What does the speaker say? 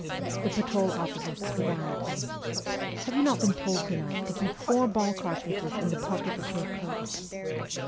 The patrol officer swore at him. ' Have you not been told to night to keep four ball cartridges in the pocket of your coat